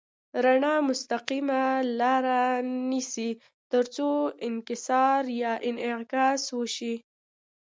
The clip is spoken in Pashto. رڼا مستقیمه لاره نیسي تر څو انکسار یا انعکاس وشي.